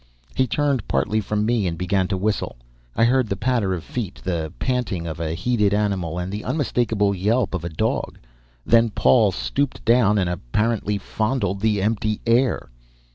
He turned partly from me and began to whistle. I heard the patter of feet, the panting of a heated animal, and the unmistakable yelp of a dog. Then Paul stooped down and apparently fondled the empty air.